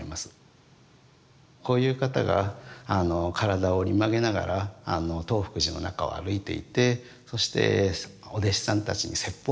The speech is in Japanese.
こういう方が体を折り曲げながら東福寺の中を歩いていてそしてお弟子さんたちに説法をするというのはですね